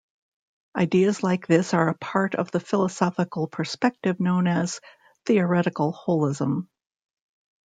Ideas like this are a part of the philosophical perspective known as "theoretical holism".